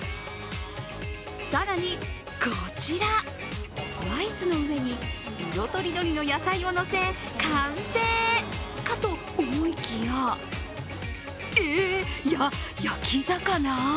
更にこちら、ライスの上に色とりどりの野菜をのせ、完成かと思いきやえっ、や、焼き魚？